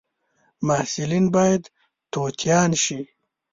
محصلین باید توتیان شي